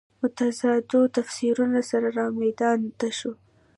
متضادو تفسیرونو سره رامیدان ته شو.